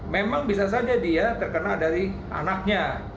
memang bisa saja dia terkena dari anaknya